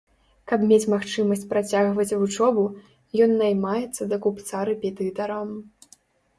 Каб мець магчымасць працягваць вучобу, ён наймаецца да купца рэпетытарам.